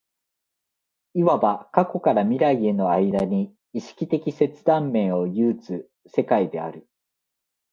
いわば過去から未来への間に意識的切断面を有つ世界である。